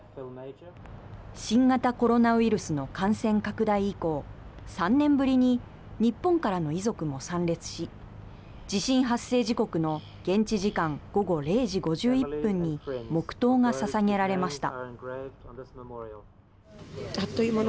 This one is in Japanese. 新型コロナウイルスの感染拡大以降３年ぶりに日本からの遺族も参列し地震発生時刻の現地時間午後０時５１分に黙とうがささげられました。